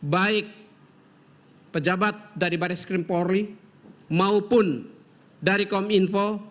baik pejabat dari baris krimpori maupun dari kominfo